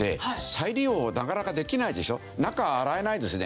中洗えないですよね。